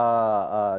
menimbulkan tadi tindak